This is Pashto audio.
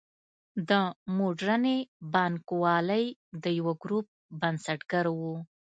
د موډرنې بانکوالۍ د یوه ګروپ بنسټګر و.